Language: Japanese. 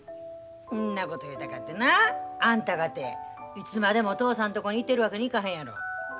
ほんなこと言うたかてなあんたかていつまでも嬢さんとこにいてるわけにいかへんやろ。